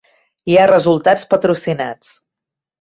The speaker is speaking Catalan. Hi ha resultats patrocinats.